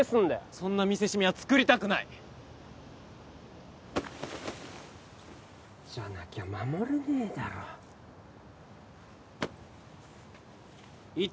そんな見せしめはつくりたくないじゃなきゃ守れねえだろ言っ